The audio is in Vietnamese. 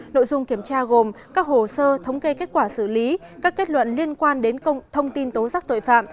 nội dung kiểm tra gồm các hồ sơ thống kê kết quả xử lý các kết luận liên quan đến thông tin tố giác tội phạm